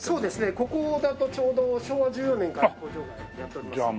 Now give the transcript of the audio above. ここだとちょうど昭和１４年から工場がやっておりますんで。